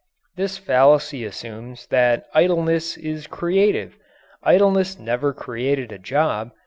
This fallacy assumes that idleness is creative. Idleness never created a job.